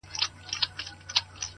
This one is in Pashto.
هم د زرو موږكانو سكه پلار يم!.